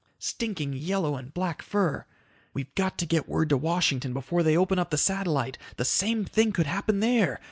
Stinking yellow and black fur. We've got to get word to Washington before they open up the satellite. The same thing could happen there.